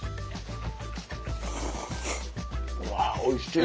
うわっおいしい。